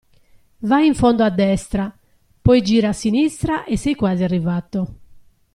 Vai in fondo a destra, poi gira a sinistra e sei quasi arrivato.